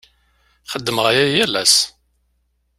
Xeddmeɣ aya yal ass.